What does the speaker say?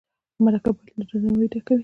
مرکه باید له درناوي ډکه وي.